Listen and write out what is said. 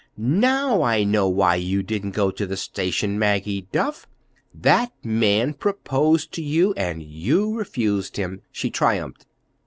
"Now I know why you didn't go to the station, Maggie Duff! That man proposed to you, and you refused him!" she triumphed.